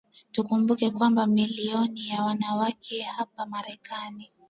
tukumbuke kwamba mamilioni ya wanawake hapa Marekani